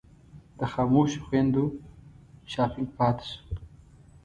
د خاموشو خویندو شاپنګ پاتې شو.